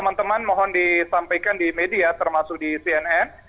mas hermawan mohon disampaikan di media termasuk di cnn